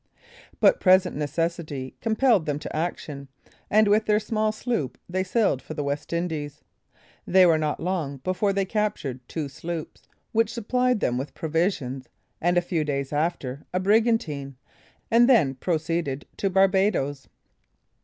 But present necessity compelled them to action, and with their small sloop they sailed for the West Indies. They were not long before they captured two sloops, which supplied them with provisions, and a few days after, a brigantine, and then proceeded to Barbadoes.